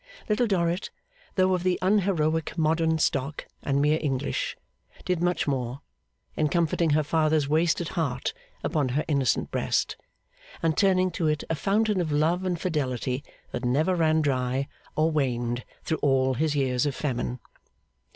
Little Dorrit, though of the unheroic modern stock and mere English, did much more, in comforting her father's wasted heart upon her innocent breast, and turning to it a fountain of love and fidelity that never ran dry or waned through all his years of famine.